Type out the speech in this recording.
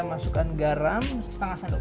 masukkan garam setengah sendok